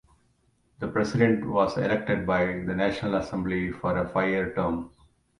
The President was elected by the National Assembly for a five-year term.